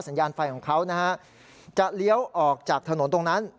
สัญญาณไฟของเขานะฮะจะเลี้ยวออกจากถนนตรงนั้น